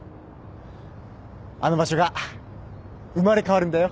あの場所が生まれ変わるんだよ。